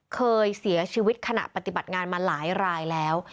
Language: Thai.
เคยเสียชีวิตขณะปฏิบัติงานมาหลายรายแล้ว